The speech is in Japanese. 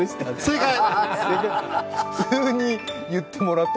正解！